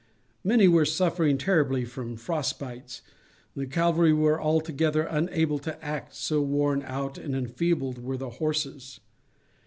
Many were suffering terribly from frostbites, the cavalry were altogether unable to act, so worn out and enfeebled were the horses.